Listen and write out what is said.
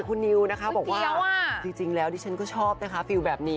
คุณนิวค่ะเบี้ยวบอกว่าที่จริงแล้วดิฉันก็ชอบนะคะฟีลแบบนี้